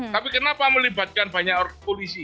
tapi kenapa melibatkan banyak polisi